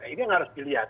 nah ini yang harus dilihat